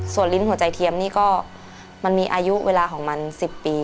ส่วนลิ้นหัวใจเทียมนี่ก็มันมีอายุเวลาของมัน๑๐ปี